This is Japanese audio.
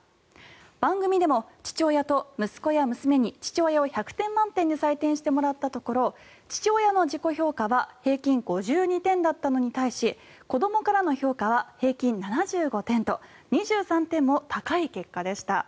番組でも父親と息子や娘に父親を１００点満点で採点してもらったところ父親の自己評価は平均５２点だったのに対し子どもからの評価は平均７５点と２３点も高い結果でした。